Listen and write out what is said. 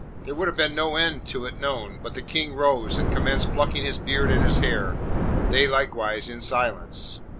There would have been no end to it known; but the King rose and commenced plucking his beard and his hair, they likewise in silence.